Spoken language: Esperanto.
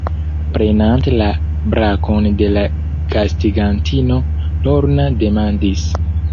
Prenante la brakon de la gastigantino, Lorna demandis: